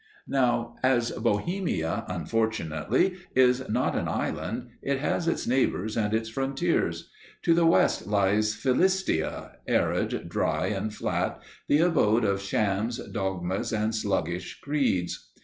Now, as Bohemia, unfortunately, is not an island, it has its neighbours and its frontiers. To the west lies Philistia, arid, dry and flat, the abode of shams, dogmas and sluggish creeds.